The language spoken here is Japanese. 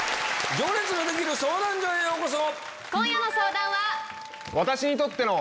『行列のできる相談所』へようこそ。